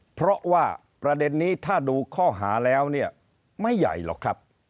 เพราะว่าประเด็นนี้ถ้าดูข้อหาแล้วเนี่ยไม่ใหญ่หรอกครับ